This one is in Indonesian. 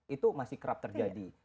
itu masih kerap terjadi